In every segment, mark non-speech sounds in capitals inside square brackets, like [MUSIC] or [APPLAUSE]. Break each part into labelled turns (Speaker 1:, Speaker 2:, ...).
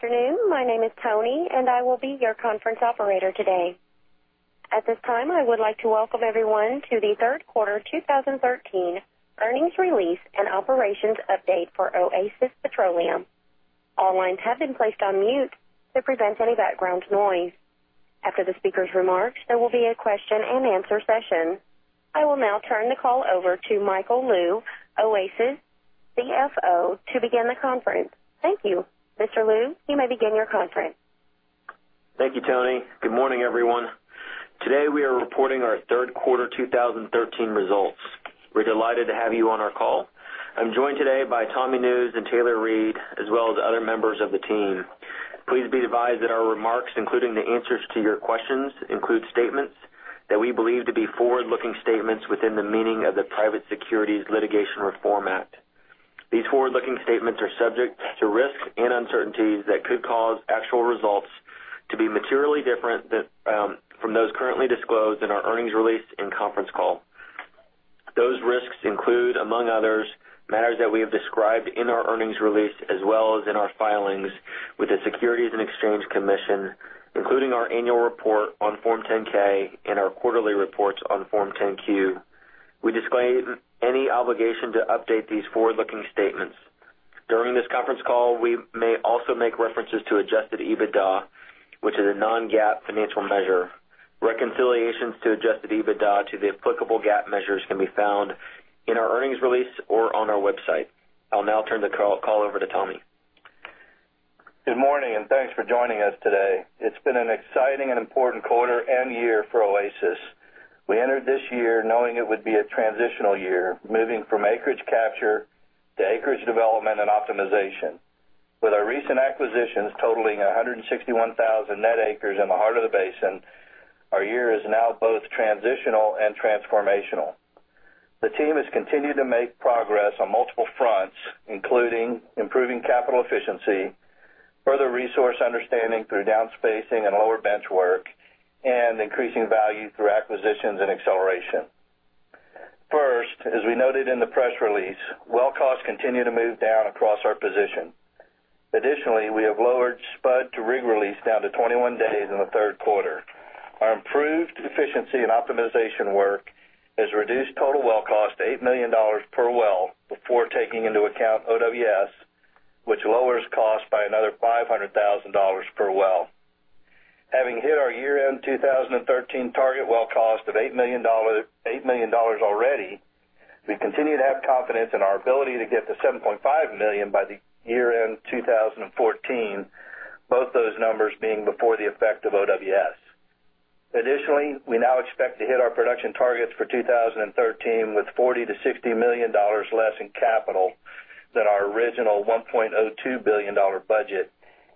Speaker 1: Good afternoon. My name is Toni, and I will be your conference operator today. At this time, I would like to welcome everyone to the third quarter 2013 earnings release and operations update for Oasis Petroleum. All lines have been placed on mute to prevent any background noise. After the speaker's remarks, there will be a question and answer session. I will now turn the call over to Michael Lou, Oasis CFO, to begin the conference. Thank you. Mr. Lou, you may begin your conference.
Speaker 2: Thank you, Toni. Good morning, everyone. Today, we are reporting our third quarter 2013 results. We're delighted to have you on our call. I'm joined today by Tommy Nusz and Taylor Reid, as well as other members of the team. Please be advised that our remarks, including the answers to your questions, include statements that we believe to be forward-looking statements within the meaning of the Private Securities Litigation Reform Act. These forward-looking statements are subject to risks and uncertainties that could cause actual results to be materially different from those currently disclosed in our earnings release and conference call. Those risks include, among others, matters that we have described in our earnings release as well as in our filings with the Securities and Exchange Commission, including our annual report on Form 10-K and our quarterly reports on Form 10-Q. We disclaim any obligation to update these forward-looking statements. During this conference call, we may also make references to Adjusted EBITDA, which is a non-GAAP financial measure. Reconciliations to Adjusted EBITDA to the applicable GAAP measures can be found in our earnings release or on our website. I'll now turn the call over to Tommy.
Speaker 3: Good morning, thanks for joining us today. It's been an exciting and important quarter and year for Oasis. We entered this year knowing it would be a transitional year, moving from acreage capture to acreage development and optimization. With our recent acquisitions totaling 161,000 net acres in the heart of the basin, our year is now both transitional and transformational. The team has continued to make progress on multiple fronts, including improving capital efficiency, further resource understanding through downspacing and lower bench work, and increasing value through acquisitions and acceleration. First, as we noted in the press release, well costs continue to move down across our position. Additionally, we have lowered spud to rig release down to 21 days in the third quarter. Our improved efficiency and optimization work has reduced total well cost to $8 million per well before taking into account OWS, which lowers costs by another $500,000 per well. Having hit our year-end 2013 target well cost of $8 million already, we continue to have confidence in our ability to get to $7.5 million by the year-end 2014, both those numbers being before the effect of OWS. We now expect to hit our production targets for 2013 with $40 million to $60 million less in capital than our original $1.02 billion budget,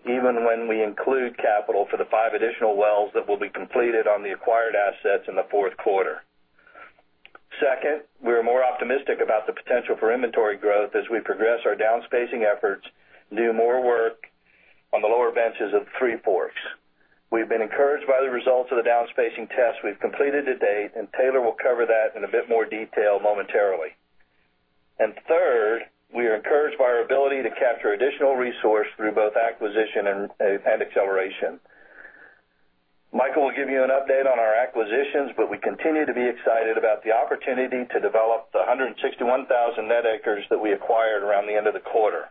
Speaker 3: even when we include capital for the five additional wells that will be completed on the acquired assets in the fourth quarter. Second, we're more optimistic about the potential for inventory growth as we progress our downspacing efforts, do more work on the lower benches of Three Forks. We've been encouraged by the results of the downspacing tests we've completed to date. Taylor will cover that in a bit more detail momentarily. Third, we are encouraged by our ability to capture additional resource through both acquisition and acceleration. Michael will give you an update on our acquisitions. We continue to be excited about the opportunity to develop the 161,000 net acres that we acquired around the end of the quarter.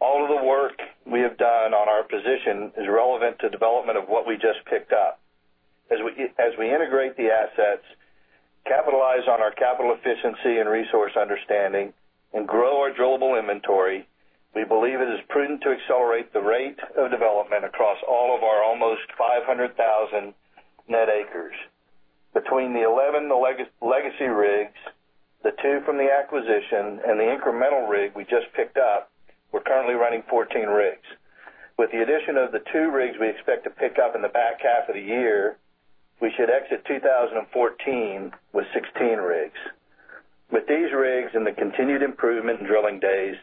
Speaker 3: All of the work we have done on our position is relevant to development of what we just picked up. As we integrate the assets, capitalize on our capital efficiency and resource understanding, and grow our drillable inventory, we believe it is prudent to accelerate the rate of development across all of our almost 500,000 net acres. Between the 11 legacy rigs, the two from the acquisition, and the incremental rig we just picked up, we're currently running 14 rigs. With the addition of the two rigs we expect to pick up in the back half of the year, we should exit 2014 with 16 rigs. With these rigs and the continued improvement in drilling days,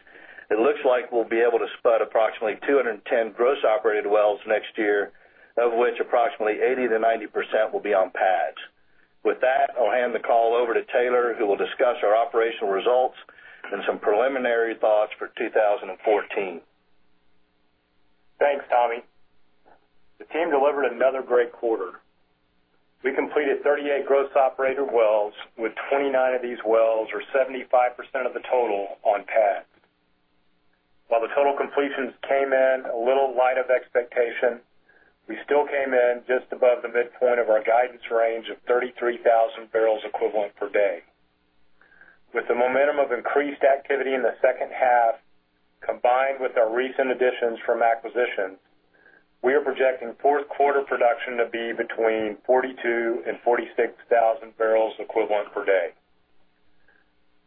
Speaker 3: it looks like we'll be able to spud approximately 210 gross operated wells next year, of which approximately 80%-90% will be on pads. With that, I'll hand the call over to Taylor, who will discuss our operational results and some preliminary thoughts for 2014.
Speaker 4: Thanks, Tommy. The team delivered another great quarter. We completed 38 gross operated wells, with 29 of these wells, or 75% of the total, on pad. While the total completions came in a little light of expectation, we still came in just above the midpoint of our guidance range of 33,000 barrels equivalent per day. With the momentum of increased activity in the second half, combined with our recent additions from acquisitions, we are projecting fourth quarter production to be between 42,000 and 46,000 barrels equivalent per day.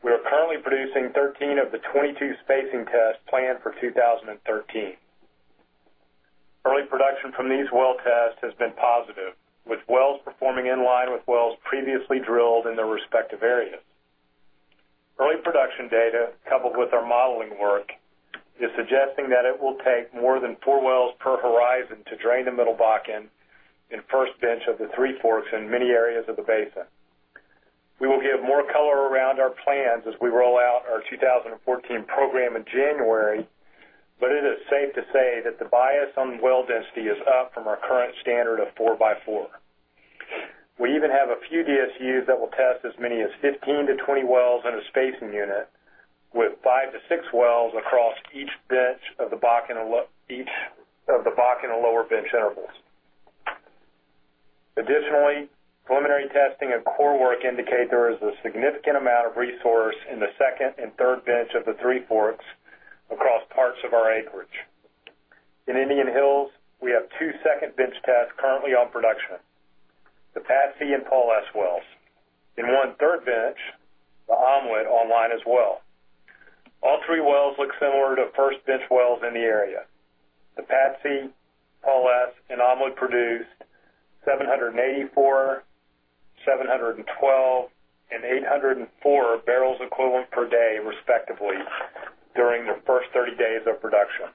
Speaker 4: We are currently producing 13 of the 22 spacing tests planned for 2013. Early production from these well tests has been positive, with wells performing in line with wells previously drilled in their respective areas. Early production data, coupled with our modeling work, is suggesting that it will take more than four wells per horizon to drain the Middle Bakken in first bench of the Three Forks in many areas of the basin. We will give more color around our plans as we roll out our 2014 program in January, but it is safe to say that the bias on well density is up from our current standard of 4x4. We even have a few DSUs that will test as many as 15-20 wells in a spacing unit with 5-6 wells across each bench of the Bakken and lower bench intervals. Additionally, preliminary testing and core work indicate there is a significant amount of resource in the second and third bench of the Three Forks across parts of our acreage. In Indian Hills, we have two second bench tests currently on production, the Patsy and Paul S wells, and one third bench, the Omelet, online as well. All three wells look similar to first bench wells in the area. The Patsy, Paul S, and Omelet produced 784, 712, and 804 bbl equivalent per day, respectively, during the first 30 days of production.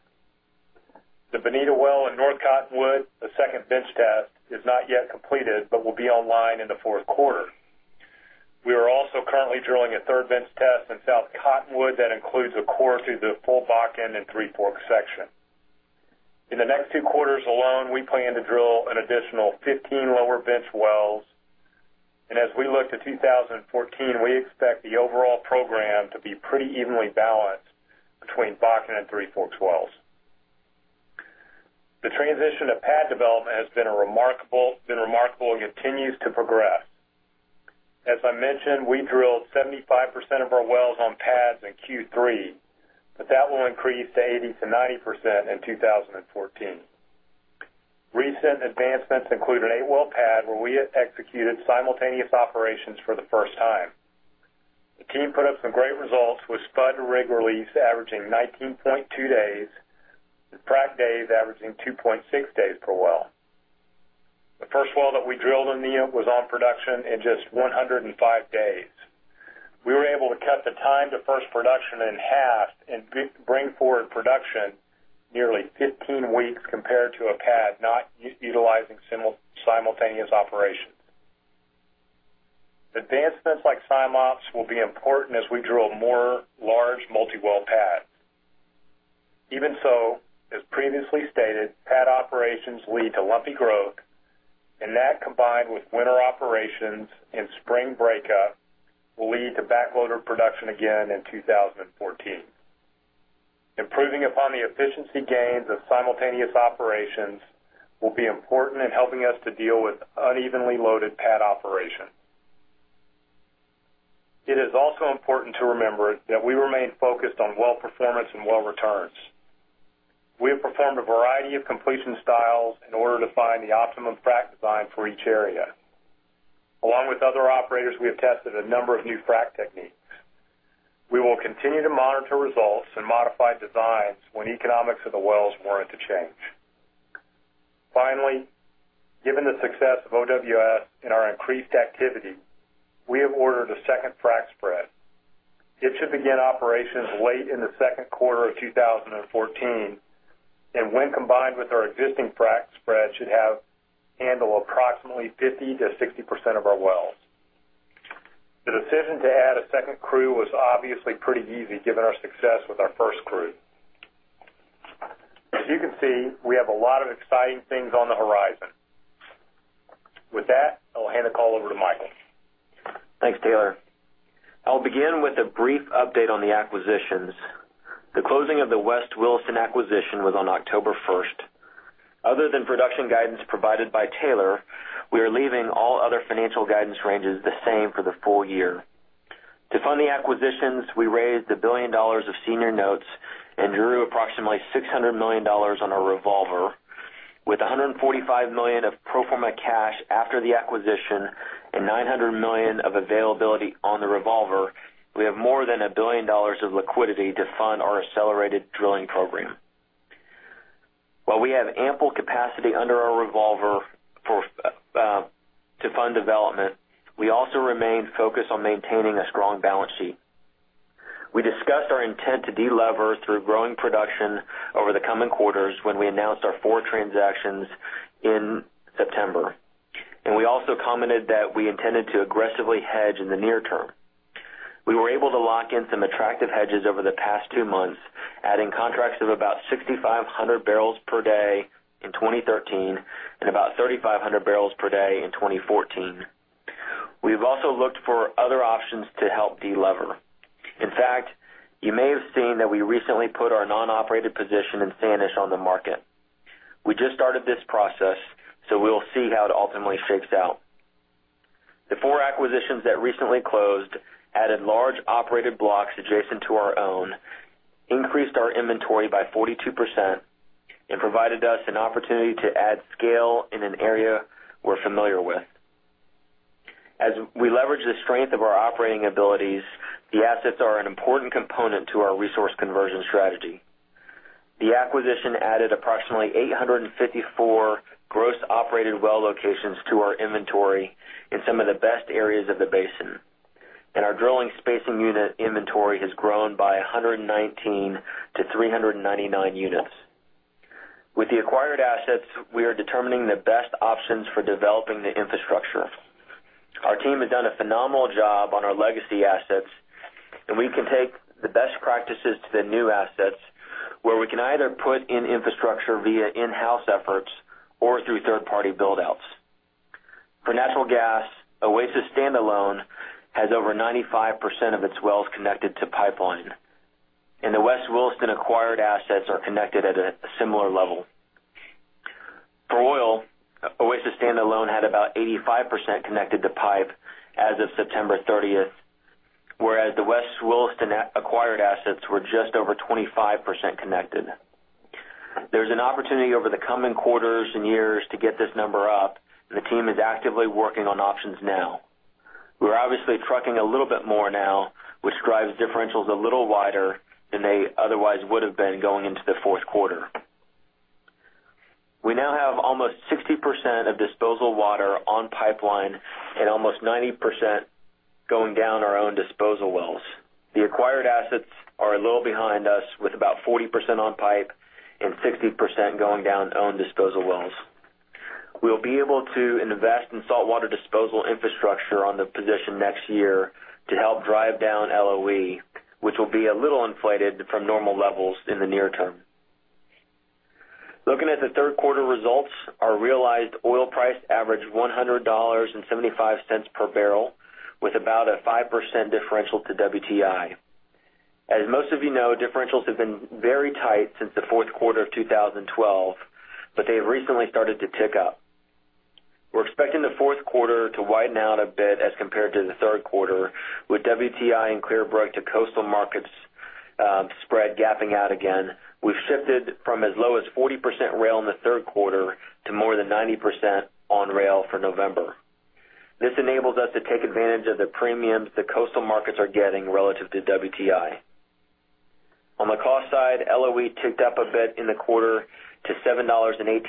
Speaker 4: The Bonita well in North Cottonwood, the second bench test, is not yet completed but will be online in the fourth quarter. We are also currently drilling a third bench test in South Cottonwood that includes a core through the full Bakken and Three Forks section. In the next two quarters alone, we plan to drill an additional 15 lower bench wells. As we look to 2014, we expect the overall program to be pretty evenly balanced between Bakken and Three Forks wells. The transition to pad development has been remarkable and continues to progress. As I mentioned, we drilled 75% of our wells on pads in Q3, but that will increase to 80%-90% in 2014. Recent advancements include an eight-well pad where we executed simultaneous operations for the first time. The team put up some great results with spud to rig release averaging 19.2 days, and frac days averaging 2.6 days per well. The first well that we drilled in Nesson was on production in just 105 days. We were able to cut the time to first production in half and bring forward production nearly 15 weeks compared to a pad not utilizing simultaneous operations. Advancements like SimOps will be important as we drill more large multi-well pads. Even so, as previously stated, pad operations lead to lumpy growth, and that combined with winter operations and spring breakup, will lead to backloaded production again in 2014. Improving upon the efficiency gains of simultaneous operations will be important in helping us to deal with unevenly loaded pad operations. It is also important to remember that we remain focused on well performance and well returns. We have performed a variety of completion styles in order to find the optimum frac design for each area. Along with other operators, we have tested a number of new frac techniques. We will continue to monitor results and modify designs when economics of the wells warrant a change. Finally, given the success of OWS in our increased activity, we have ordered a second frac spread. It should begin operations late in the second quarter of 2014, and when combined with our existing frac spread, should handle approximately 50%-60% of our wells. The decision to add a second crew was obviously pretty easy given our success with our first crew. As you can see, we have a lot of exciting things on the horizon. With that, I'll hand the call over to Michael.
Speaker 2: Thanks, Taylor. I'll begin with a brief update on the acquisitions. The closing of the West Williston acquisition was on October 1st. Other than production guidance provided by Taylor, we are leaving all other financial guidance ranges the same for the full year. To fund the acquisitions, we raised $1 billion of senior notes and drew approximately $600 million on our revolver. With $145 million of pro forma cash after the acquisition and $900 million of availability on the revolver, we have more than $1 billion of liquidity to fund our accelerated drilling program. While we have ample capacity under our revolver to fund development, we also remain focused on maintaining a strong balance sheet. We discussed our intent to delever through growing production over the coming quarters when we announced our four transactions in September, and we also commented that we intended to aggressively hedge in the near term. We were able to lock in some attractive hedges over the past two months, adding contracts of about 6,500 barrels per day in 2013 and about 3,500 barrels per day in 2014. We've also looked for other options to help delever. In fact, you may have seen that we recently put our non-operated position in Sanish on the market. We just started this process, so we'll see how it ultimately shakes out. The four acquisitions that recently closed added large operated blocks adjacent to our own, increased our inventory by 42%, and provided us an opportunity to add scale in an area we're familiar with. As we leverage the strength of our operating abilities, the assets are an important component to our resource conversion strategy. The acquisition added approximately 854 gross operated well locations to our inventory in some of the best areas of the basin, and our drilling spacing unit inventory has grown by 119 to 399 units. With the acquired assets, we are determining the best options for developing the infrastructure. Our team has done a phenomenal job on our legacy assets, and we can take the best practices to the new assets, where we can either put in infrastructure via in-house efforts or through third-party build-outs. For natural gas, Oasis standalone has over 95% of its wells connected to pipeline, and the West Williston acquired assets are connected at a similar level. For oil, Oasis standalone had about 85% connected to pipe as of September 30th, whereas the West Williston acquired assets were just over 25% connected. There's an opportunity over the coming quarters and years to get this number up, and the team is actively working on options now. We're obviously trucking a little bit more now, which drives differentials a little wider than they otherwise would have been going into the fourth quarter. We now have almost 60% of disposal water on pipeline and almost 90% going down our own disposal wells. The acquired assets are a little behind us, with about 40% on pipe and 60% going down owned disposal wells. We'll be able to invest in saltwater disposal infrastructure on the position next year to help drive down LOE, which will be a little inflated from normal levels in the near term. Looking at the third quarter results, our realized oil price averaged $100.75 per barrel, with about a 5% differential to WTI. As most of you know, differentials have been very tight since the fourth quarter of 2012, but they have recently started to tick up. We're expecting the fourth quarter to widen out a bit as compared to the third quarter, with WTI and Clearbrook to coastal markets spread gapping out again. We've shifted from as low as 40% rail in the third quarter to more than 90% on rail for November. This enables us to take advantage of the premiums the coastal markets are getting relative to WTI. On the cost side, LOE ticked up a bit in the quarter to $7.18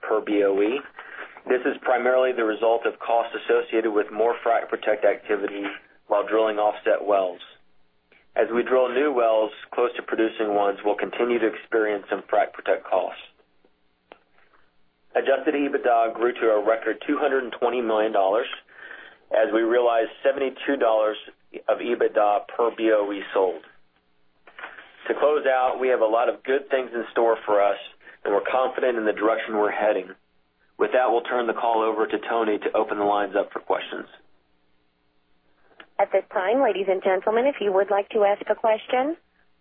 Speaker 2: per BOE. This is primarily the result of costs associated with more frac protect activity while drilling offset wells. As we drill new wells close to producing ones, we'll continue to experience some frac protect costs. Adjusted EBITDA grew to a record $220 million as we realized $72 of EBITDA per BOE sold. To close out, we have a lot of good things in store for us, and we're confident in the direction we're heading. With that, we'll turn the call over to Toni to open the lines up for questions.
Speaker 1: At this time, ladies and gentlemen, if you would like to ask a question,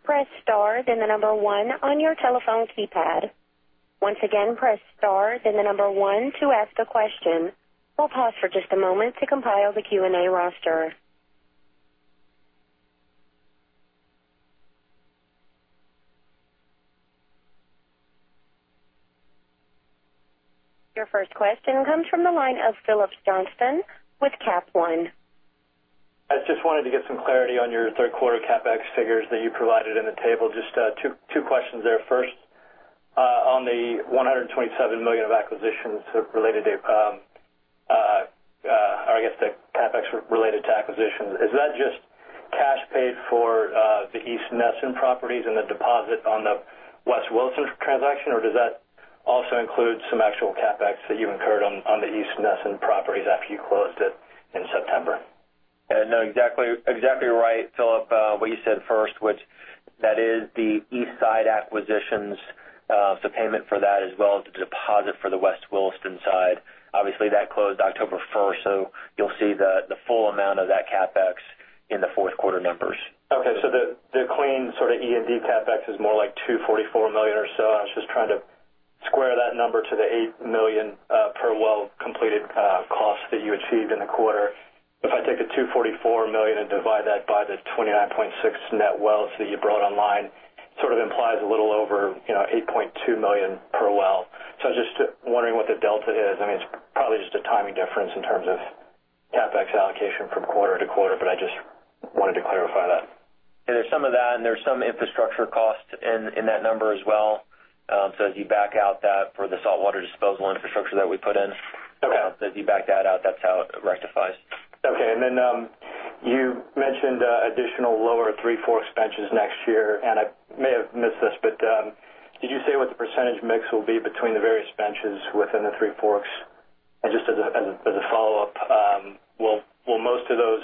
Speaker 1: press star, then the number 1 on your telephone keypad. Once again, press star, then the number 1 to ask a question. We'll pause for just a moment to compile the Q&A roster. Your first question comes from the line of Phillips Johnston with Capital One.
Speaker 5: I just wanted to get some clarity on your third quarter CapEx figures that you provided in the table. Just two questions there. First, on the $127 million of acquisitions related to I guess the CapEx related to acquisitions. Is that just cash paid for the East Nesson properties and the deposit on the West Williston transaction, or does that also include some actual CapEx that you incurred on the East Nesson properties after you closed it in September?
Speaker 2: Exactly right, Phillips. What you said first, which that is the East Side acquisitions. Payment for that as well as the deposit for the West Williston side. Obviously, that closed October 1st. You'll see the full amount of that CapEx in the fourth quarter numbers.
Speaker 5: Okay. The clean E&P CapEx is more like $244 million or so. I was just trying to square that number to the $8 million per well-completed cost that you achieved in the quarter. If I take the $244 million and divide that by the 29.6 net wells that you brought online, sort of implies a little over $8.2 million per well. I was just wondering what the delta is. I mean, it's probably just a timing difference in terms of CapEx allocation from quarter to quarter, but I just wanted to clarify that.
Speaker 2: Yeah, there's some of that, and there's some infrastructure cost in that number as well. As you back out that for the saltwater disposal infrastructure that we put in.
Speaker 5: Okay.
Speaker 2: As you back that out, that's how it rectifies.
Speaker 5: Okay. Then, you mentioned additional lower Three Forks benches next year, I may have missed this, but did you say what the percentage mix will be between the various benches within the Three Forks? Just as a follow-up, will most of those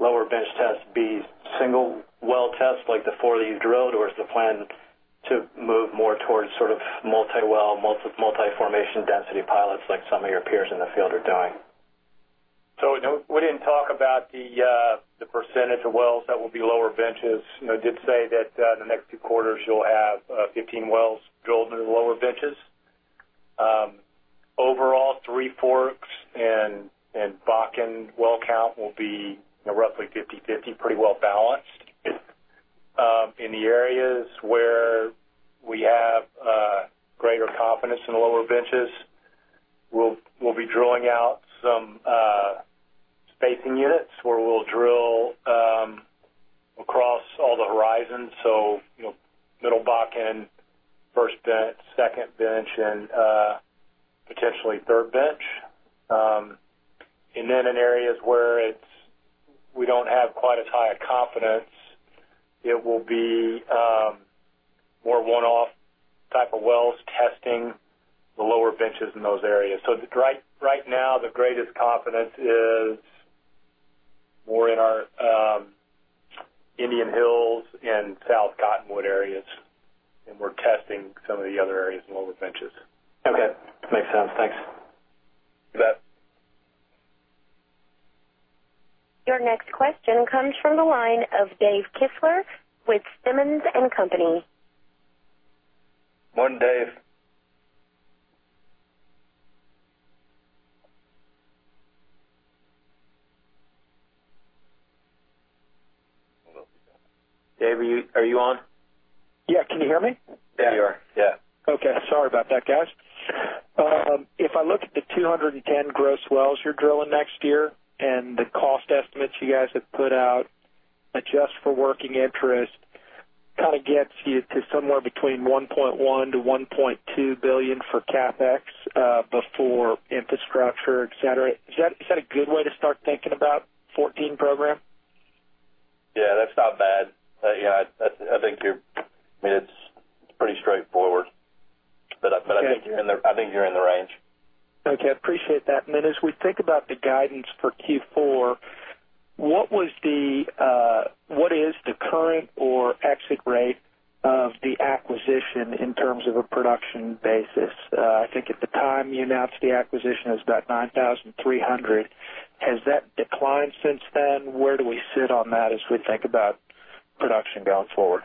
Speaker 5: lower bench tests be single well tests like the four that you've drilled, or is the plan to move more towards multi-well, multi-formation density pilots like some of your peers in the field are doing?
Speaker 4: We didn't talk about the percentage of wells that will be lower benches. Did say that in the next few quarters, you'll have 15 wells drilled in the lower benches. Overall, Three Forks and Bakken well count will be roughly 50/50, pretty well balanced. In the areas where we have greater confidence in the lower benches, we'll be drilling out some spacing units where we'll drill across all the horizons. Middle Bakken, first bench, second bench, and potentially third bench. Then in areas where it's We have quite as high a confidence it will be more one-off type of wells testing the lower benches in those areas. Right now, the greatest confidence is more in our Indian Hills and South Cottonwood areas, and we're testing some of the other areas in lower benches.
Speaker 5: Okay. Makes sense. Thanks.
Speaker 4: You bet.
Speaker 1: Your next question comes from the line of Dave Kistler with Simmons & Company.
Speaker 4: Morning, Dave. Dave, are you on?
Speaker 6: Yeah. Can you hear me?
Speaker 3: Yeah. We are. Yeah.
Speaker 6: Okay. Sorry about that, guys. If I look at the 210 gross wells you're drilling next year, and the cost estimates you guys have put out, adjust for working interest, gets you to somewhere between $1.1 billion-$1.2 billion for CapEx, before infrastructure, et cetera. Is that a good way to start thinking about 2014 program?
Speaker 3: Yeah, that's not bad. I think it's pretty straightforward, but I think you're in the range.
Speaker 6: Okay, appreciate that. As we think about the guidance for Q4, what is the current or exit rate of the acquisition in terms of a production basis? I think at the time you announced the acquisition, it was about 9,300. Has that declined since then? Where do we sit on that as we think about production going forward?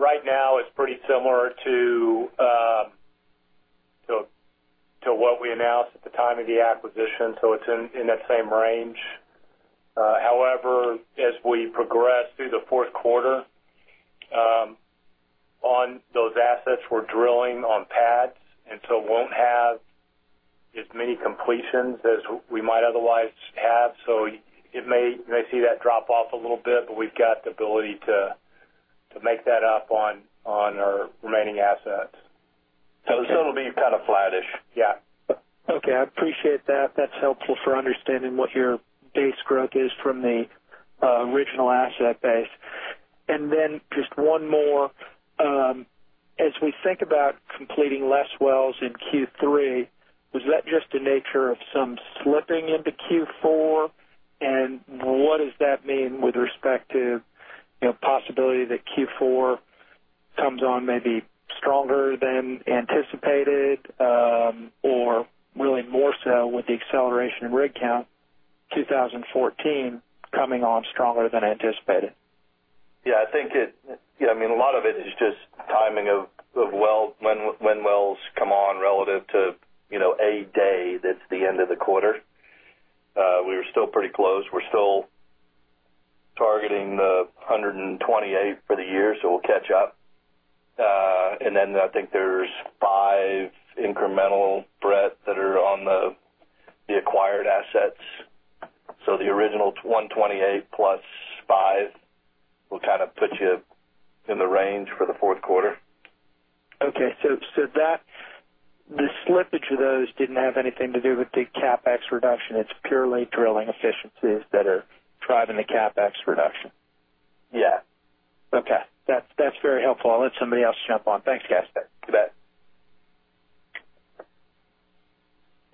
Speaker 4: Right now, it's pretty similar to what we announced at the time of the acquisition. It's in that same range. However, as we progress through the fourth quarter, on those assets, we're drilling on pads, won't have as many completions as we might otherwise have. You may see that drop off a little bit, but we've got the ability to make that up on our remaining assets.
Speaker 3: It'll be flattish.
Speaker 4: Yeah.
Speaker 6: Okay. I appreciate that. That's helpful for understanding what your base growth is from the original asset base. Just one more. As we think about completing less wells in Q3, was that just the nature of some slipping into Q4? What does that mean with respect to possibility that Q4 comes on maybe stronger than anticipated, or really more so with the acceleration in rig count, 2014 coming on stronger than anticipated?
Speaker 3: Yeah, a lot of it is just timing of when wells come on relative to a day that's the end of the quarter. We were still pretty close. We're still targeting the 128 for the year. We'll catch up. I think there's five incremental wells that are on the acquired assets. The original 128 plus five will put you in the range for the fourth quarter.
Speaker 6: Okay. The slippage of those didn't have anything to do with the CapEx reduction. It's purely drilling efficiencies that are driving the CapEx reduction.
Speaker 3: Yeah.
Speaker 6: Okay. That's very helpful. I'll let somebody else jump on. Thanks, guys.
Speaker 3: You bet.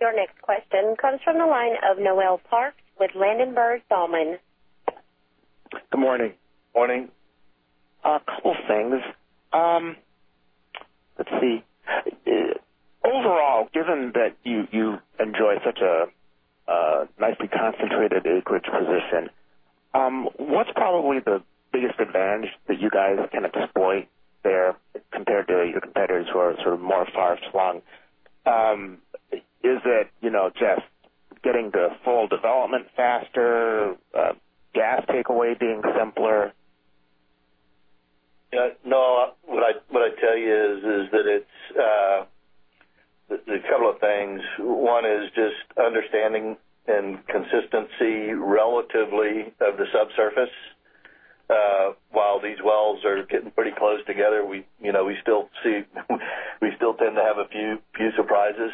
Speaker 1: Your next question comes from the line of Noel Parks with Ladenburg Thalmann.
Speaker 7: Good morning.
Speaker 3: Morning.
Speaker 7: A couple things. Let's see. Overall, given that you enjoy such a nicely concentrated acreage position, what's probably the biggest advantage that you guys can exploit there compared to your competitors who are more far-flung? Is it just getting to full development faster, gas takeaway being simpler?
Speaker 3: No, what I'd tell you is that it's a couple of things. One is just understanding and consistency, relatively, of the subsurface. While these wells are getting pretty close together, we still tend to have a few surprises.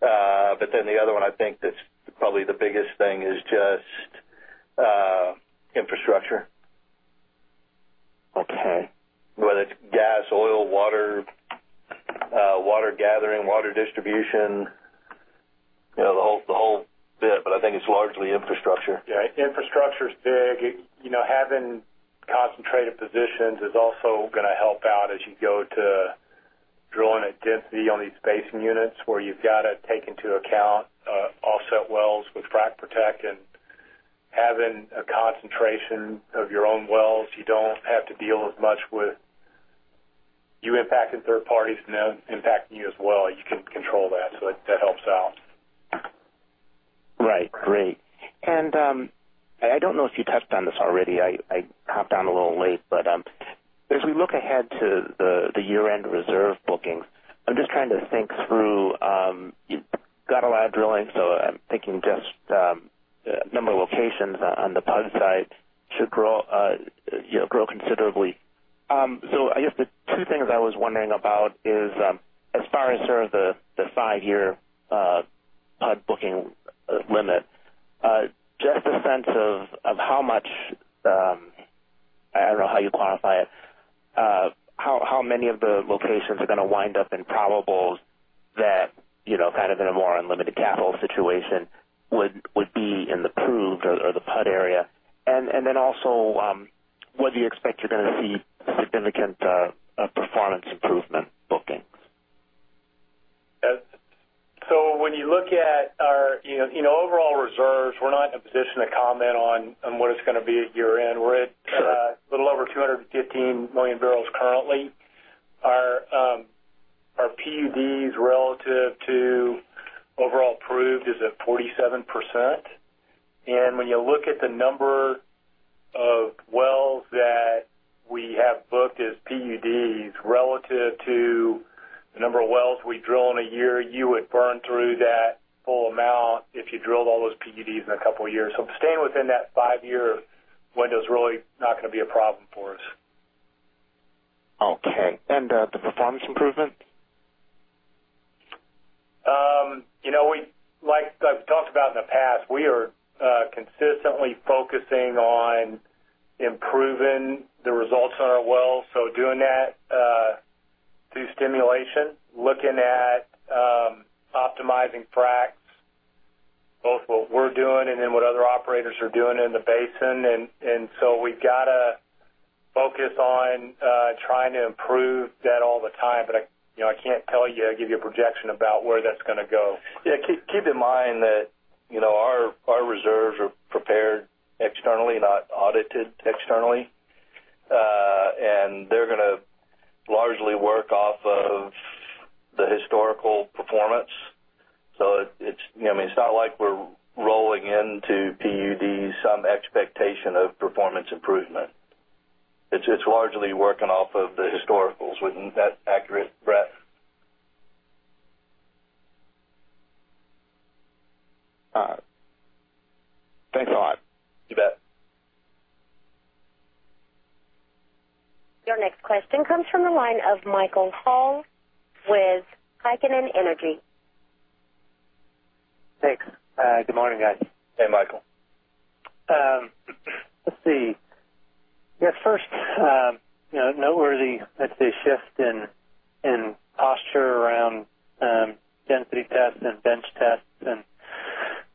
Speaker 3: The other one, I think that's probably the biggest thing is just infrastructure.
Speaker 7: Okay.
Speaker 3: Whether it's gas, oil, water gathering, water distribution, the whole bit. I think it's largely infrastructure.
Speaker 4: Yeah, infrastructure's big. Having concentrated positions is also going to help out as you go to drilling at density on these spacing units where you've got to take into account offset wells with frac protect and having a concentration of your own wells, you don't have to deal as much with you impacting third parties and them impacting you as well. You can control that. That helps out.
Speaker 7: Right. Great. I don't know if you touched on this already. I hopped on a little late. As we look ahead to the year-end reserve bookings, I'm just trying to think through, you've got a lot of drilling. I'm thinking just number of locations on the PUD side should grow considerably. I guess the two things I was wondering about is, as far as the five-year PUD booking limit, just a sense of how much, I don't know how you quantify it, how many of the locations are going to wind up in probables that, in a more unlimited capital situation, would be in the proved or the PUD area? Then also, whether you expect you're going to see significant performance improvement bookings?
Speaker 4: When you look at our overall reserves, we're not in a position to comment on what it's going to be at year-end.
Speaker 7: Sure.
Speaker 4: We're at a little over 215 million barrels currently. Our PUDs relative to overall proved is at 47%. When you look at the number of wells that we have booked as PUDs relative to the number of wells we drill in a year, you would burn through that full amount if you drilled all those PUDs in a couple of years. Staying within that five-year window is really not going to be a problem for us.
Speaker 7: Okay. The performance improvement?
Speaker 4: Like I've talked about in the past, we are consistently focusing on improving the results on our wells. Doing that through stimulation, looking at optimizing fracs, both what we're doing and then what other operators are doing in the basin. We've got to focus on trying to improve that all the time. I can't tell you or give you a projection about where that's going to go.
Speaker 3: Yeah, keep in mind that our reserves are prepared externally, not audited externally. They're going to largely work off of the historical performance. It's not like we're rolling into PUD some expectation of performance improvement. It's largely working off of the historicals within that [acreage breadth].
Speaker 7: Thanks a lot.
Speaker 4: You bet.
Speaker 1: Your next question comes from the line of Michael Hall with KeyBanc.
Speaker 8: Thanks. Good morning, guys.
Speaker 4: Hey, Michael.
Speaker 8: Yeah, first, noteworthy, I'd say, shift in posture around density tests and bench tests and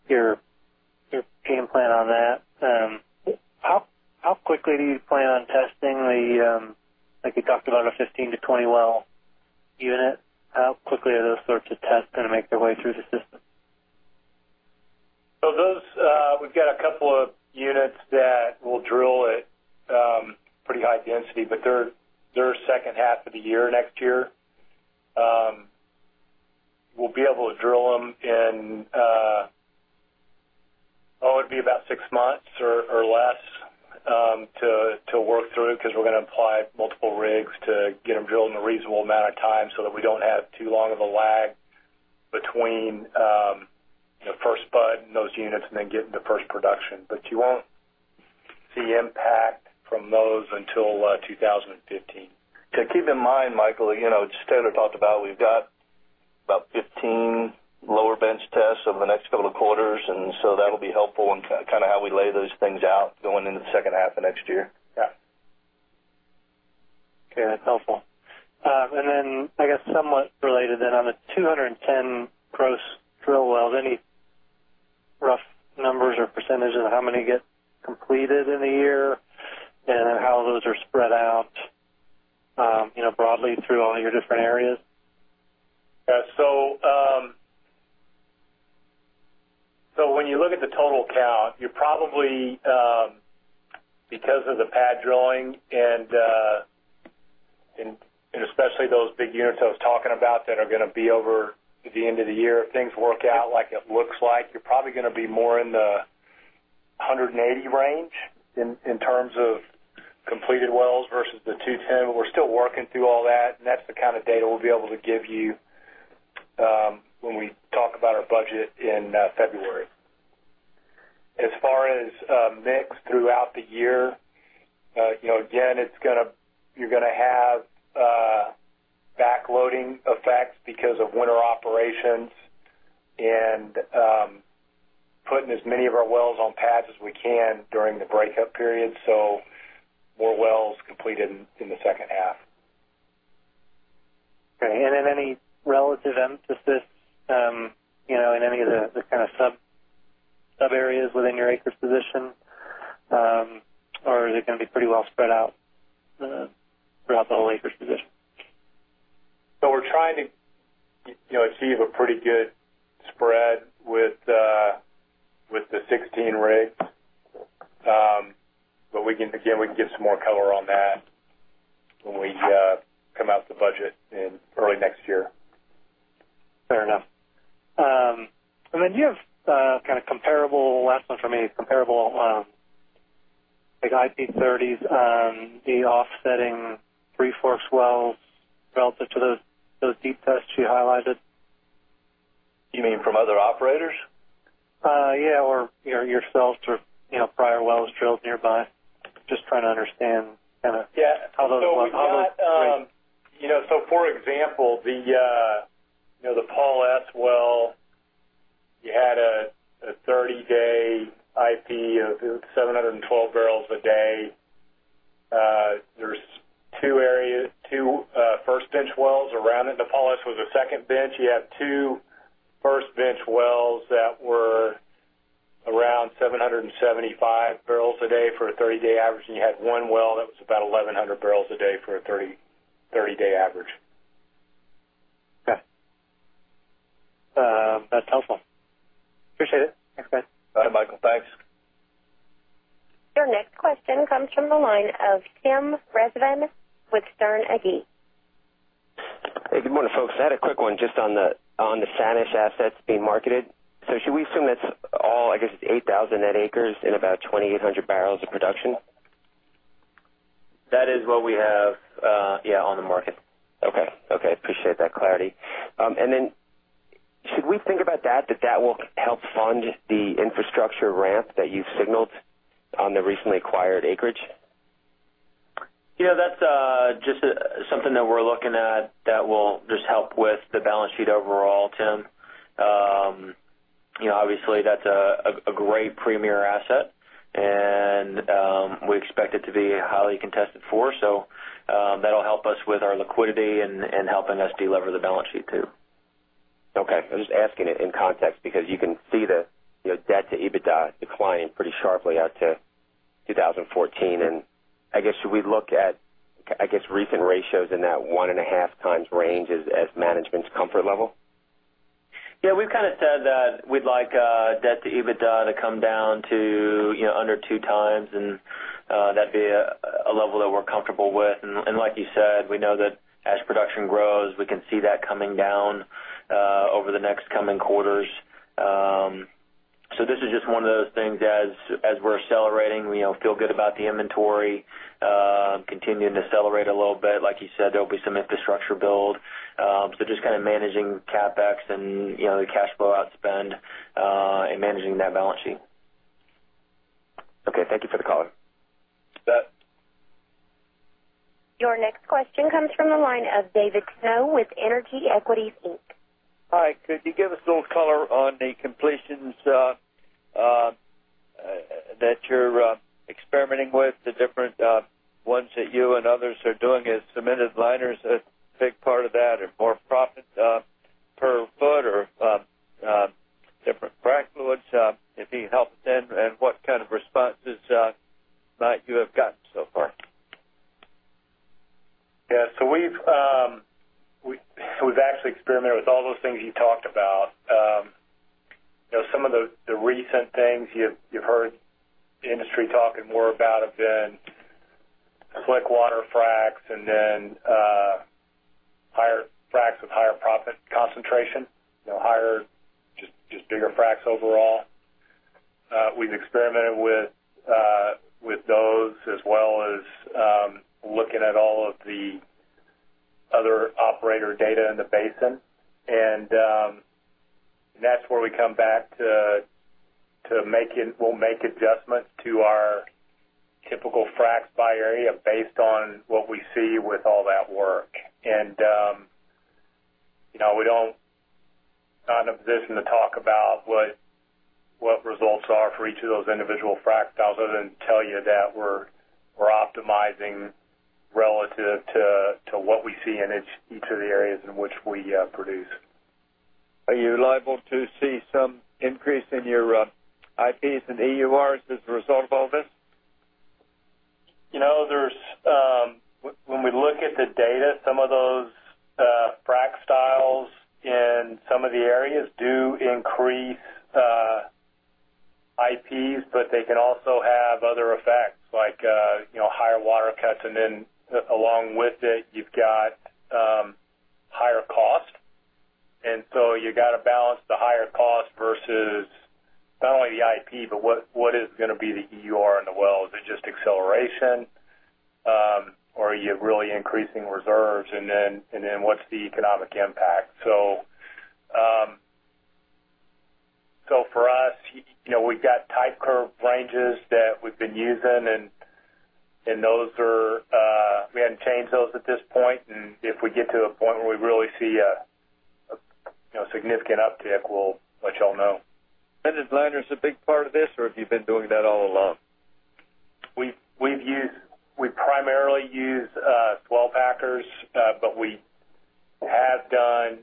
Speaker 8: your game plan on that. How quickly do you plan on testing the, like you talked about, a 15-20 well unit? How quickly are those sorts of tests going to make their way through the system?
Speaker 4: Those, we've got a couple of units that we'll drill at pretty high density, they're second half of the year next year. We'll be able to drill them in, it'd be about six months or less to work through, because we're going to apply multiple rigs to get them drilled in a reasonable amount of time so that we don't have too long of a lag between first PUD in those units and then getting the first production. You won't see impact from those until 2015.
Speaker 3: Keep in mind, Michael, as Taylor talked about, we've got about 15 lower bench tests over the next couple of quarters, that'll be helpful in how we lay those things out going into the second half of next year.
Speaker 4: Yeah.
Speaker 8: Okay, that's helpful. I guess somewhat related then, on the 210 gross drill wells, any rough numbers or percentages of how many get completed in the year, and then how those are spread out broadly through all your different areas?
Speaker 4: When you look at the total count, you're probably, because of the pad drilling, and especially those big units I was talking about that are going to be over at the end of the year, if things work out like it looks like, you're probably going to be more in the 180 range in terms of completed wells versus the 210. We're still working through all that, and that's the kind of data we'll be able to give you when we talk about our budget in February. As far as mix throughout the year, again, you're going to have back-loading effects because of winter operations and putting as many of our wells on pads as we can during the breakup period. More wells completed in the second half.
Speaker 8: Okay. Any relative emphasis in any of the sub-areas within your acreage position? Is it going to be pretty well spread out throughout the whole acreage position?
Speaker 4: We're trying to achieve a pretty good spread with the 16 rigs. Again, we can give some more color on that when we come out with the budget in early next year.
Speaker 8: Fair enough. Do you have comparable, last one from me, comparable IP30s, the offsetting Three Forks wells relative to those deep tests you highlighted.
Speaker 4: You mean from other operators?
Speaker 8: Yeah. Yourselves or prior wells drilled nearby. Just trying to understand how those.
Speaker 4: For example, the Paul S well, you had a 30-day IP of 712 barrels a day. There's two first bench wells around it. The Paul S was a second bench. You have two first bench wells that were around 775 barrels a day for a 30-day average, and you had one well that was about 1,100 barrels a day for a 30-day average.
Speaker 8: Okay. That's helpful. Appreciate it. Thanks, guys.
Speaker 4: All right, Michael. Thanks.
Speaker 1: Your next question comes from the line of Tim Rezvan with Sterne Agee.
Speaker 9: Good morning, folks. I had a quick one just on the Sanish assets being marketed. Should we assume that's all, I guess it's 8,000 net acres and about 2,800 barrels of production?
Speaker 4: That is what we have on the market.
Speaker 9: Okay. Appreciate that clarity. Should we think about that will help fund the infrastructure ramp that you've signaled on the recently acquired acreage?
Speaker 2: That's just something that we're looking at that will just help with the balance sheet overall, Tim. Obviously, that's a great premier asset, and we expect it to be highly contested for. That'll help us with our liquidity and helping us delever the balance sheet, too.
Speaker 9: Okay. I'm just asking it in context because you can see the debt to EBITDA decline pretty sharply out to 2014, I guess should we look at recent ratios in that one and a half times range as management's comfort level?
Speaker 2: Yeah. We've said that we'd like debt to EBITDA to come down to under 2x, that'd be a level that we're comfortable with. Like you said, we know that as production grows, we can see that coming down over the next coming quarters. This is just one of those things as we're accelerating, we feel good about the inventory continuing to accelerate a little bit. Like you said, there'll be some infrastructure build. Just managing CapEx and the cash flow outspend, and managing that balance sheet.
Speaker 9: Okay. Thank you for the color.
Speaker 4: You bet.
Speaker 1: Your next question comes from the line of David Snow with Energy Equities Inc.
Speaker 10: Hi. Could you give us a little color on the completions that you're experimenting with, the different ones that you and others are doing? Is cemented liners a big part of that, or more proppant per foot or different frac fluids? If you could help with them and what kind of responses might you have gotten so far?
Speaker 4: Yeah. We've actually experimented with all those things you talked about. Some of the recent things you've heard the industry talking more about have been slick water fracs with higher proppant concentration, just bigger fracs overall. We've experimented with those as well as looking at all of the other operator data in the basin, that's where we come back to make adjustments to our typical fracs by area based on what we see with all that work. We're not in a position to talk about what results are for each of those individual fracs other than tell you that we're optimizing relative to what we see in each of the areas in which we produce.
Speaker 10: Are you liable to see some increase in your IPs and EURs as a result of all this?
Speaker 4: When we look at the data, some of those frac styles in some of the areas do increase IPs, but they can also have other effects like higher water cuts, along with it, you've got higher cost. You got to balance the higher cost versus not only the IP, but what is going to be the EUR in the well. Is it just acceleration, or are you really increasing reserves? What's the economic impact? For us, we've got type curve ranges that we've been using, we haven't changed those at this point. If we get to a point where we really see a significant uptick, we'll let you all know.
Speaker 10: Cemented liners a big part of this, or have you been doing that all along?
Speaker 4: We primarily use swell packers. We have done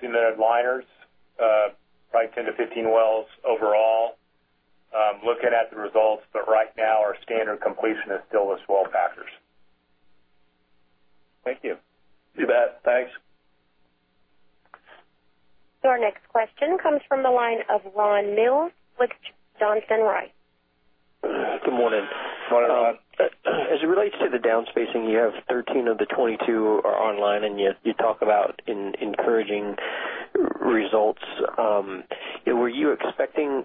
Speaker 4: cemented liners, probably 10-15 wells overall, looking at the results. Right now, our standard completion is still the swell packers.
Speaker 10: Thank you.
Speaker 4: See you. [INAUDIBLE] Thanks.
Speaker 1: Our next question comes from the line of Ron Mills with Johnson Rice.
Speaker 11: Good morning. As it relates to the downspacing, you have 13 of the 22 are online, yet you talk about encouraging results. Were you expecting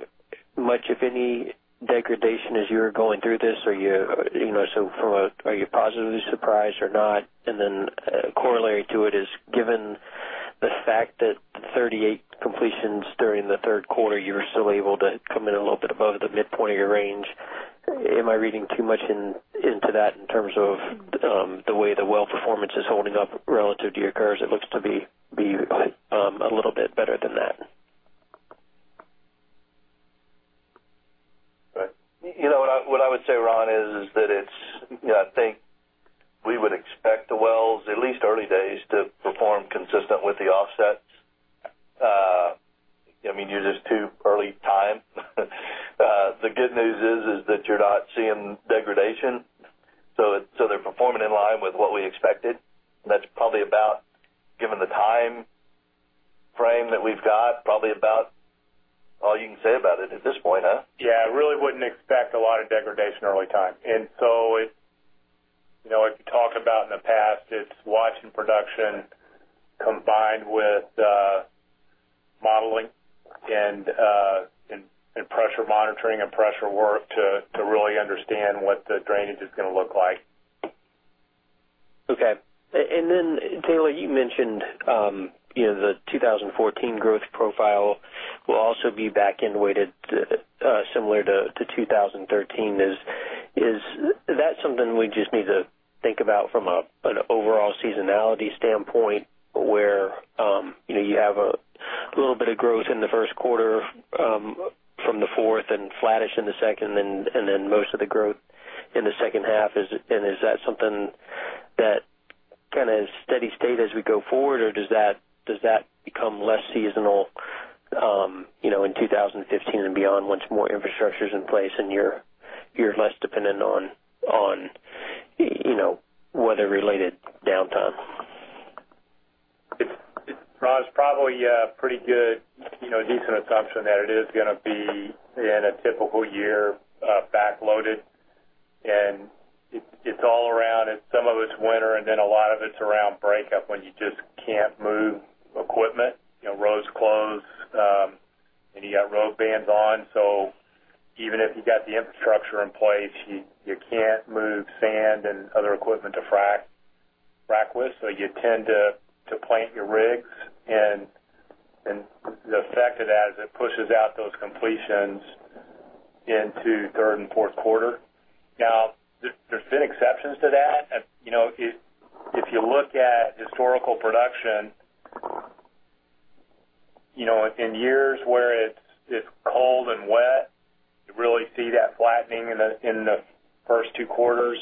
Speaker 11: much of any degradation as you were going through this? Are you positively surprised or not? Then corollary to it is, given the fact that 38 completions during the third quarter, you were still able to come in a little bit above the midpoint of your range. Am I reading too much into that in terms of the way the well performance is holding up relative to your curves? It looks to be a little bit better than that.
Speaker 3: Right. What I would say, Ron, is that I think we would expect the wells, at least early days, to perform consistent with the offsets. You're just too early time. The good news is that you're not seeing degradation, they're performing in line with what we expected, and that's probably about, given the timeframe that we've got, probably about all you can say about it at this point, huh?
Speaker 4: Yeah, I really wouldn't expect a lot of degradation early time. If you talk about in the past, it's watching production combined with modeling and pressure monitoring and pressure work to really understand what the drainage is going to look like.
Speaker 11: Okay. Taylor, you mentioned the 2014 growth profile will also be back-end weighted similar to 2013. Is that something we just need to think about from an overall seasonality standpoint, where you have a little bit of growth in the 1st quarter from the 4th and flattish in the 2nd and then most of the growth in the second half, and is that something that steady state as we go forward, or does that become less seasonal in 2015 and beyond once more infrastructure's in place and you're less dependent on weather-related downtime?
Speaker 4: Ron, it's probably a pretty good, decent assumption that it is going to be, in a typical year, back-loaded, and it's all around. Some of it's winter, and then a lot of it's around breakup, when you just can't move equipment. Roads close, and you got road bans on, so even if you got the infrastructure in place, you can't move sand and other equipment to frack with, so you tend to plant your rigs, and the effect of that is it pushes out those completions into 3rd and 4th quarter. Now, there's been exceptions to that. If you look at historical production, in years where it's cold and wet, you really see that flattening in the 1st two quarters.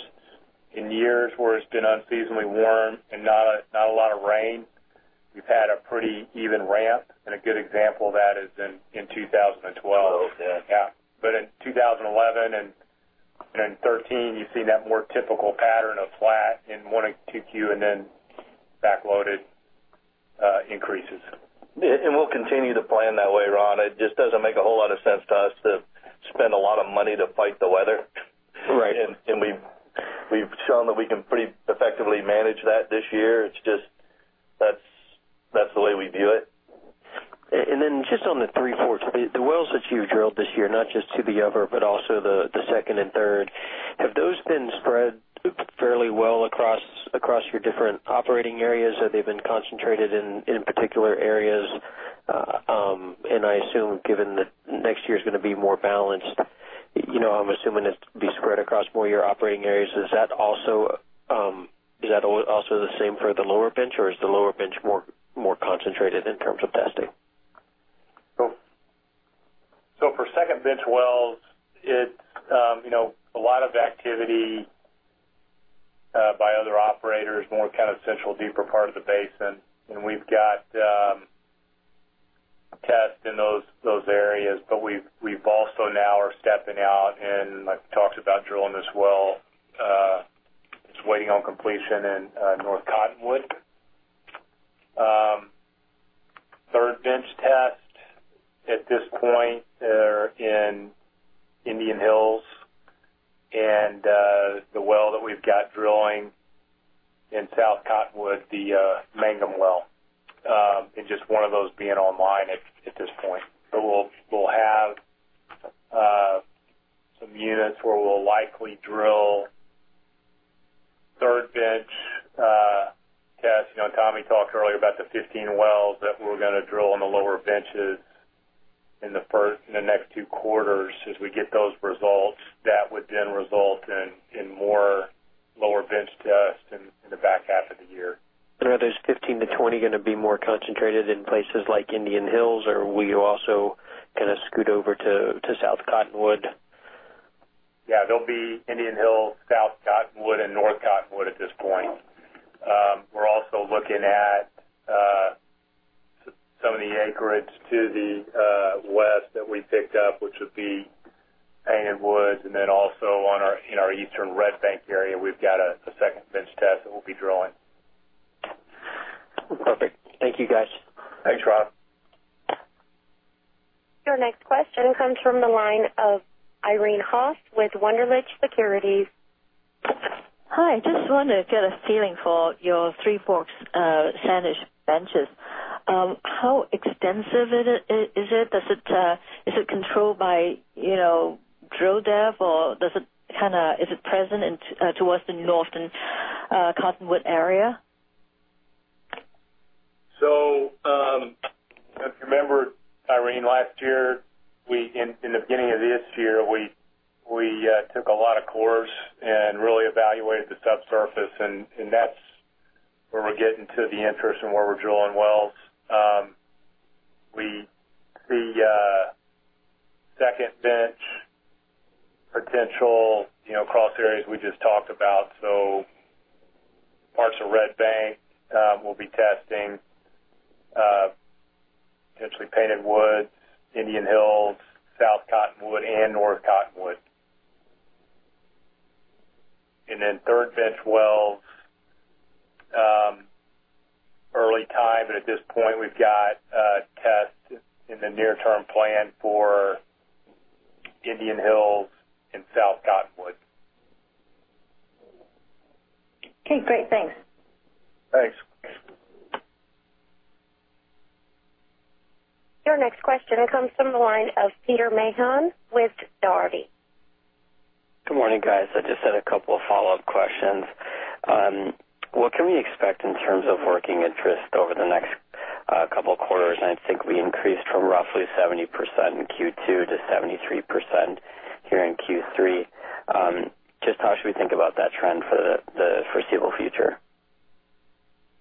Speaker 4: In years where it's been unseasonably warm and not a lot of rain, we've had a pretty even ramp, and a good example of that is in 2012.
Speaker 11: Oh, okay.
Speaker 4: Yeah. In 2011 and 2013, you've seen that more typical pattern of flat in 1 and 2Q, and then back-loaded increases.
Speaker 3: We'll continue to plan that way, Ron. It just doesn't make a whole lot of sense to us to spend a lot of money to fight the weather.
Speaker 11: Right.
Speaker 3: We've shown that we can pretty effectively manage that this year. It's just that's the way we view it.
Speaker 11: Just on the Three Forks, the wells that you've drilled this year, not just to the upper, but also the second and third, have those been spread fairly well across your different operating areas? Have they been concentrated in particular areas? I assume, given that next year's going to be more balanced, I'm assuming it'd be spread across more of your operating areas. Is that also the same for the lower bench, or is the lower bench more concentrated in terms of testing?
Speaker 4: For second bench wells, it's a lot of activity by other operators, more central, deeper part of the basin, and we've got tests in those areas. We also now are stepping out and talked about drilling this well. It's waiting on completion in North Cottonwood. Third bench test at this point are in Indian Hills, and the well that we've got drilling in South Cottonwood, the Mangum well, and just one of those being online at this point. We'll have some units where we'll likely drill third bench tests. Tommy talked earlier about the 15 wells that we're going to drill on the lower benches in the next two quarters. We get those results, that would result in more lower bench tests in the back half of the year.
Speaker 11: Are those 15 to 20 going to be more concentrated in places like Indian Hills, or will you also scoot over to South Cottonwood?
Speaker 4: They'll be Indian Hills, South Cottonwood, and North Cottonwood at this point. We're also looking at some of the acreage to the west that we picked up, which would be Hanging Woods, also in our Eastern Red Bank area, we've got a second bench test that we'll be drilling.
Speaker 11: Perfect. Thank you, guys.
Speaker 4: Thanks, Ron.
Speaker 1: Your next question comes from the line of Irene Haas with Wunderlich Securities.
Speaker 12: Hi. Just wanted to get a feeling for your Three Forks, Sanish benches. How extensive is it? Is it controlled by drill dev, or is it present towards the North and Cottonwood area?
Speaker 4: If you remember, Irene, last year, in the beginning of this year, we took a lot of cores and really evaluated the subsurface, and that's where we're getting to the interest in where we're drilling wells. The second bench potential cross areas we just talked about. Parts of Red Bank we'll be testing, potentially Painted Woods, Indian Hills, South Cottonwood, and North Cottonwood. Then third bench wells, early time, but at this point, we've got a test in the near-term plan for Indian Hills and South Cottonwood.
Speaker 12: Okay, great. Thanks.
Speaker 4: Thanks.
Speaker 1: Your next question comes from the line of Peter Mahon with Dougherty.
Speaker 13: Good morning, guys. I just had a couple of follow-up questions. What can we expect in terms of working interest over the next couple of quarters? I think we increased from roughly 70% in Q2 to 73% here in Q3. Just how should we think about that trend for the foreseeable future?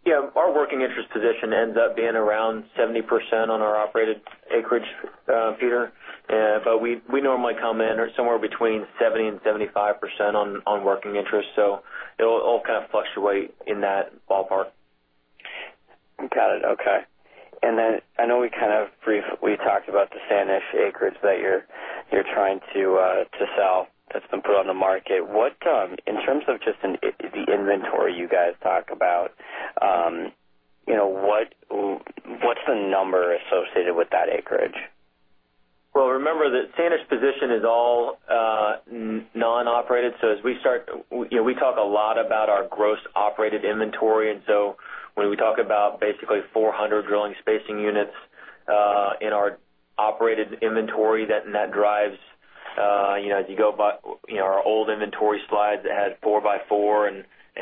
Speaker 2: Yeah. Our working interest position ends up being around 70% on our operated acreage, Pearce, we normally come in somewhere between 70% and 75% on working interest. It'll all fluctuate in that ballpark.
Speaker 13: Got it. Okay. I know we briefly talked about the Sanish acreage that you're trying to sell, that's been put on the market. In terms of just the inventory you guys talk about, what's the number associated with that acreage?
Speaker 2: Well, remember that Sanish position is all non-operated. We talk a lot about our gross operated inventory, when we talk about basically 400 drilling spacing units in our operated inventory, that drives, if you go by our old inventory slides that had four by four,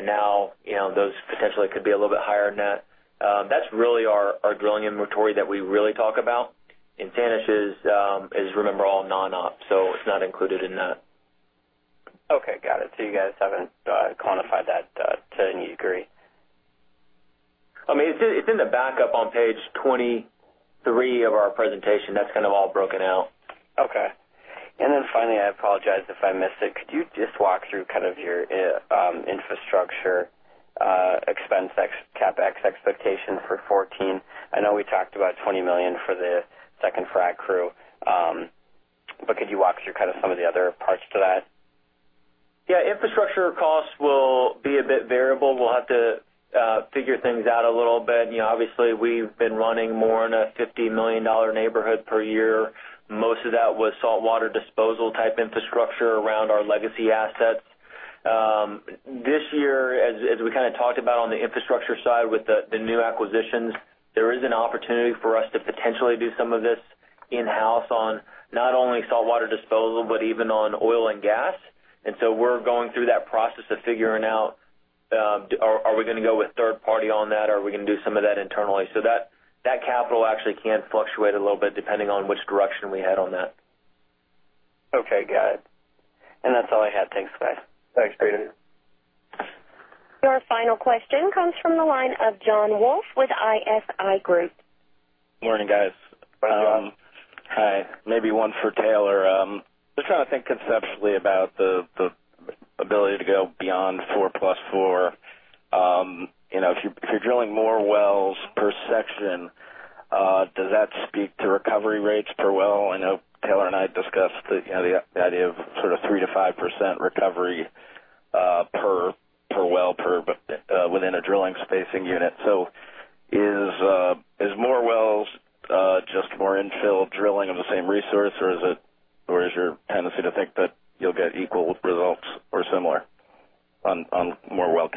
Speaker 2: now those potentially could be a little bit higher net. That's really our drilling inventory that we really talk about. Sanish is, remember, all non-op, so it's not included in that.
Speaker 13: Okay, got it. You guys haven't quantified that to any degree.
Speaker 2: It's in the backup on page 23 of our presentation. That's all broken out.
Speaker 13: Finally, I apologize if I missed it, could you just walk through your infrastructure expense CapEx expectation for 2014? I know we talked about $20 million for the second frac crew, but could you walk through some of the other parts to that?
Speaker 2: Yeah, infrastructure costs will be a bit variable. We'll have to figure things out a little bit. Obviously, we've been running more in a $50 million neighborhood per year. Most of that was saltwater disposal type infrastructure around our legacy assets. This year, as we talked about on the infrastructure side with the new acquisitions, there is an opportunity for us to potentially do some of this in-house on not only saltwater disposal, but even on oil and gas. We're going through that process of figuring out, are we going to go with third party on that, or are we going to do some of that internally? That capital actually can fluctuate a little bit depending on which direction we head on that.
Speaker 13: Okay, got it. That's all I had. Thanks, guys.
Speaker 4: Thanks, Pearce.
Speaker 1: Your final question comes from the line of John White with ISI Group.
Speaker 14: Morning, guys.
Speaker 4: Hi, John.
Speaker 14: Hi. Maybe one for Taylor. Just trying to think conceptually about the ability to go beyond four plus four. If you're drilling more wells per section, does that speak to recovery rates per well? I know Taylor and I discussed the idea of 3%-5% recovery per well within a drilling spacing unit. Is more wells just more infill drilling of the same resource, or is your tendency to think that you'll get equal results or similar on more well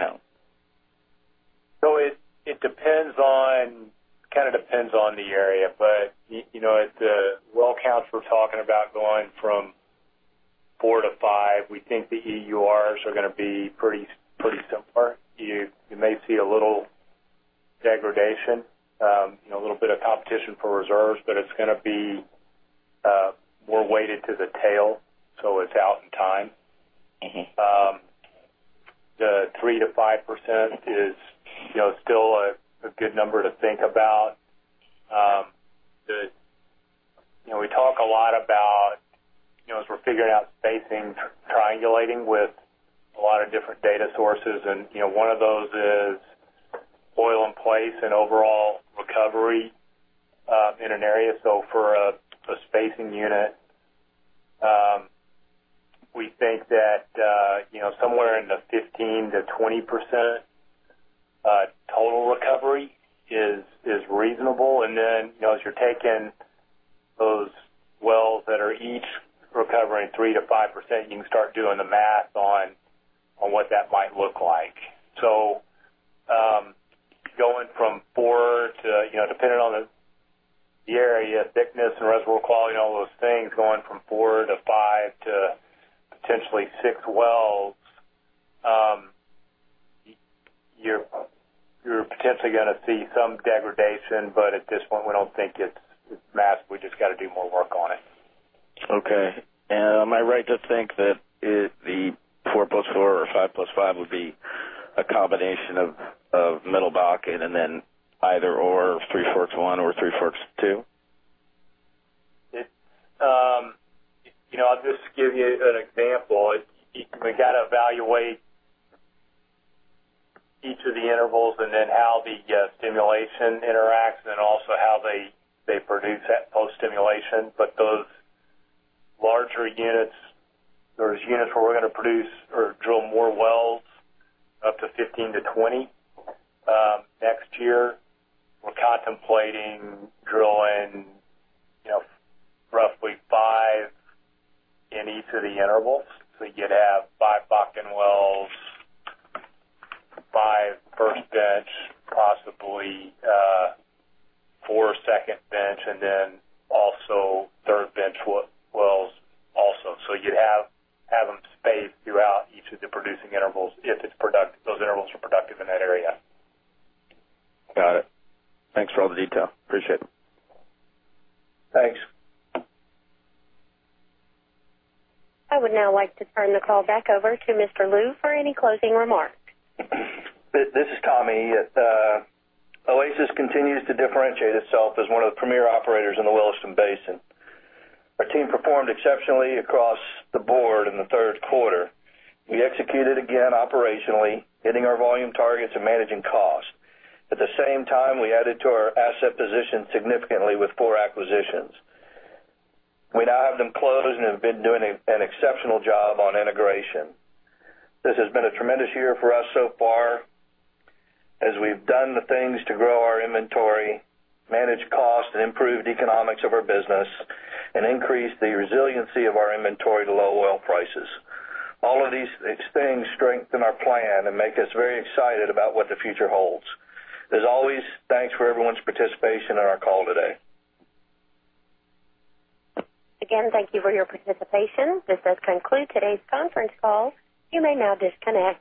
Speaker 14: count?
Speaker 4: It depends on the area, but at the well counts, we're talking about going from four to five, we think the EURs are going to be pretty similar. You may see a little degradation, a little bit of competition for reserves, but it's going to be more weighted to the tail, so it's out in time. The 3%-5% is still a good number to think about. We talk a lot about, as we're figuring out spacing, triangulating with a lot of different data sources, and one of those is oil in place and overall recovery in an area. For a spacing unit, we think that somewhere in the 15%-20% is reasonable. As you're taking those wells that are each recovering 3%-5%, you can start doing the math on what that might look like. Going from four to, depending on the area thickness and reservoir quality and all those things, going from four to five to potentially six wells, you're potentially going to see some degradation. At this point, we don't think it's massive. We've just got to do more work on it.
Speaker 14: Okay. Am I right to think that the four plus four or five plus five would be a combination of Middle Bakken and then either/or Three Forks one or Three Forks two?
Speaker 4: I'll just give you an example. We've got to evaluate each of the intervals, and then how the stimulation interacts, and also how they produce at post-stimulation. Those larger units, those units where we're going to produce or drill more wells, up to 15-20 next year, we're contemplating drilling roughly five in each of the intervals. You'd have five Bakken wells, five first bench, possibly four second bench, and then also third bench wells also. You'd have them spaced throughout each of the producing intervals if those intervals are productive in that area.
Speaker 14: Got it. Thanks for all the detail. Appreciate it.
Speaker 4: Thanks.
Speaker 1: I would now like to turn the call back over to Mr. Lou for any closing remarks.
Speaker 3: This is Tommy. Oasis continues to differentiate itself as one of the premier operators in the Williston Basin. Our team performed exceptionally across the board in the third quarter. We executed again operationally, hitting our volume targets and managing costs. At the same time, we added to our asset position significantly with four acquisitions. We now have them closed and have been doing an exceptional job on integration. This has been a tremendous year for us so far as we've done the things to grow our inventory, manage costs, and improved the economics of our business, and increased the resiliency of our inventory to low oil prices. All of these things strengthen our plan and make us very excited about what the future holds. As always, thanks for everyone's participation on our call today.
Speaker 1: Again, thank you for your participation. This does conclude today's conference call. You may now disconnect.